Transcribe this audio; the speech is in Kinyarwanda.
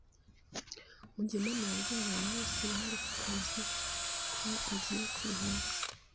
Mugemana yabwiye abantu bose bari kukazi ko agiye kuruhuka.